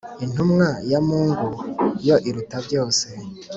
intumwa ya mungu yo iruta byose